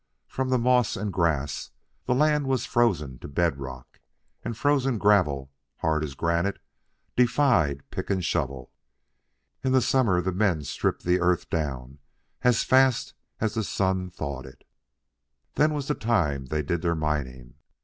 From the moss and grass the land was frozen to bed rock, and frozen gravel, hard as granite, defied pick and shovel. In the summer the men stripped the earth down as fast as the sun thawed it. Then was the time they did their mining.